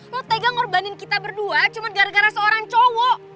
kok tegang ngorbanin kita berdua cuma gara gara seorang cowok